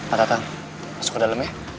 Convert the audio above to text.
aku datang masuk ke dalam ya